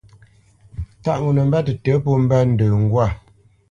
Tâʼ ŋo nə mbə́ tətə̌ pó mbə́ ndə ŋgwâ.